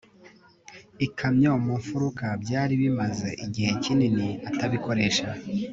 ikamyo mu mfuruka. byari bimaze igihe kinini atabikoresha